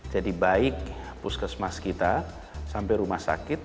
jadi baik puskesmas kita sampai rumah sakit